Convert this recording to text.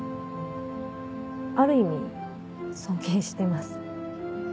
ある意味尊敬してます。